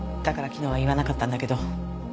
だから昨日は言わなかったんだけど。